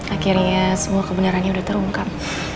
akhirnya semua kebenarannya sudah terungkap